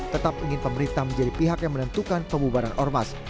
tetap ingin pemerintah menjadi pihak yang menentukan pembubaran ormas